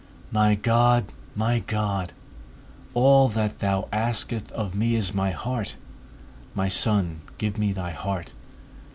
My God, my God, all that thou askest of me is my heart, My Son, give me thy heart.